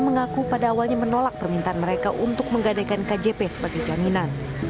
mengaku pada awalnya menolak permintaan mereka untuk menggadaikan kjp sebagai jaminan